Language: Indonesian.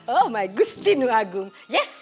oh my gusti nuagung yes